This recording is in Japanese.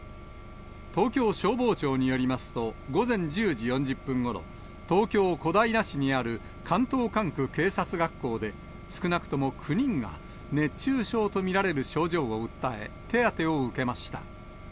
東京消防庁によりますと、午前１０時４０分ごろ、東京・小平市にある関東管区警察学校で、少なくとも９人が熱中症と見られる症状を訴え、手当てを受けました。